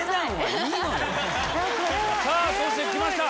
そして来ました！